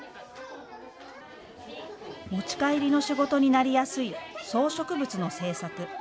持ち帰りの仕事になりやすい装飾物の制作。